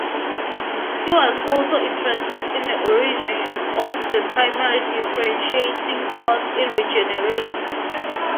He was also interested in the origin of the primary differentiating cells in regenerates.